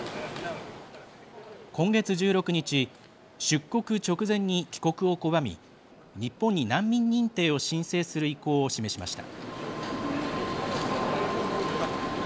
今月１６日出国直前に帰国を拒み日本に難民認定を申請する意向を示しました。